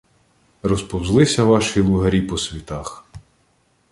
— Розповзлися ваші лугарі по світах.